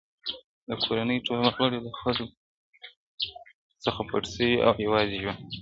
• د کورنۍ ټول غړي له خلکو څخه پټ سوي او يوازي ژوند کوي,